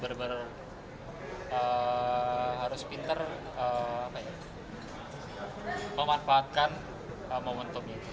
kita memang harus pinter memanfaatkan momentumnya